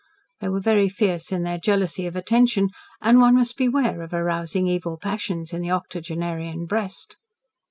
They were very fierce in their jealousy of attention, and one must beware of rousing evil passions in the octogenarian breast.